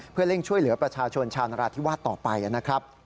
เพื่อเร่งช่วยเหลือประชาชนชาวนราธิวาสต่อไปนะครับ